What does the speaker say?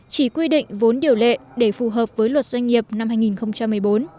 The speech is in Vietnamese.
chỉ quy định vốn điều lệ để phù hợp với luật doanh nghiệp năm hai nghìn một mươi bốn